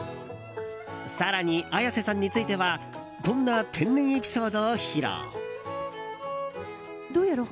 更に、綾瀬さんについてはこんな天然エピソードを披露。